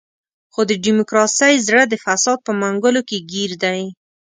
خو د ډیموکراسۍ زړه د فساد په منګولو کې ګیر دی.